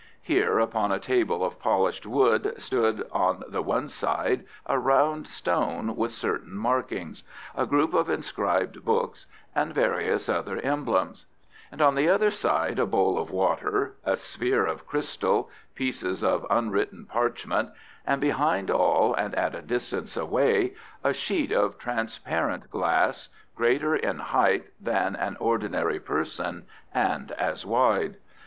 Here, upon a table of polished wood, stood on the one side a round stone with certain markings, a group of inscribed books, and various other emblems; and on the other side a bowl of water, a sphere of crystal, pieces of unwritten parchment, and behind all, and at a distance away, a sheet of transparent glass, greater in height than an ordinary person and as wide.